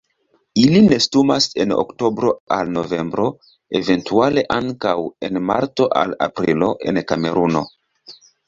Ili nestumas en oktobro al novembro, eventuale ankaŭ en marto al aprilo en Kameruno.